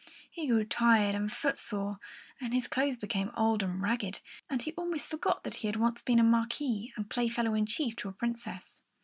He grew tired and footsore, and his clothes became old and ragged, and he almost forgot that he had once been a Marquis and Playfellow in chief to a princess.